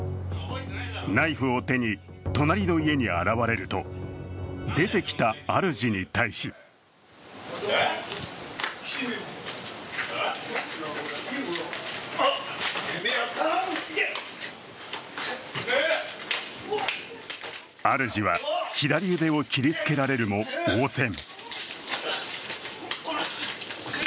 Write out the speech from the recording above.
ナイフを手に隣の家に現れると出てきた主に対し主は左腕を切りつけられるも応戦。